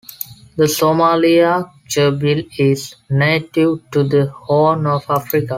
The Somalia gerbil is native to the Horn of Africa.